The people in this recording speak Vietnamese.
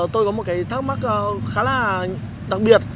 tôi có một thắc mắc khá là đặc biệt